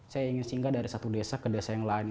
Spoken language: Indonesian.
saya ingin singgah dari satu desa ke desa yang lain